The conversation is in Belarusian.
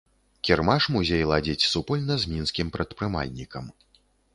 Кірмаш музей ладзіць супольна з мінскім прадпрымальнікам.